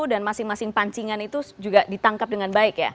dan masing masing pancingan itu juga ditangkap dengan baik ya